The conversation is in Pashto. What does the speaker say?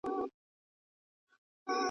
نه د مشر ورور کوزده نه یې عیال وو `